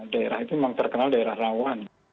daerah itu memang terkenal daerah rawan